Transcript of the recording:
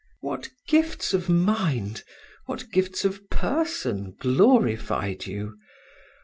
What gifts of mind, what gifts of person glorified you!